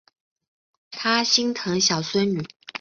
他心疼小孙女